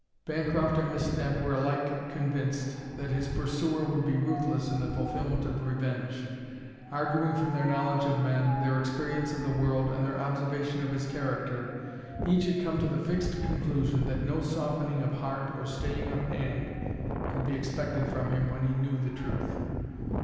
Bancroft and Miss Dent were alike convinced that his pursuer would be ruthless in the fulfilment of revenge. Arguing from their knowledge of men, their experience of the world, and their observation of his character, each had come to the fixed conclusion that no softening of heart or staying of hand could be expected from him when he knew the truth.